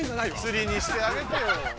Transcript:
「つり」にしてあげてよ。